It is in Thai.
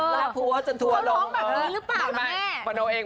มาลองแบบนี้หรือเปล่านะเนี่ย